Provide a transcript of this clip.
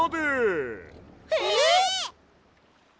えっ！？